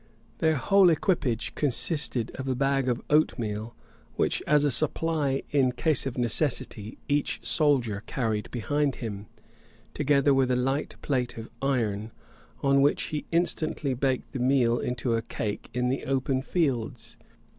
Their whole equipage consisted of a bag of oatmeal, which, as a supply in case of necessity, each soldier carried behind him; together with a light plate of iron, on which he instantly baked the meal into a cake in the open fields.